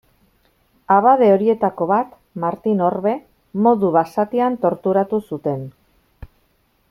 Abade horietako bat, Martin Orbe, modu basatian torturatu zuten.